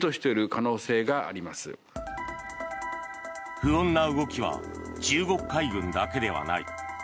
不穏な動きは中国海軍だけではない。